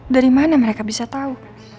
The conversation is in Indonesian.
dari mana mereka bisa tahu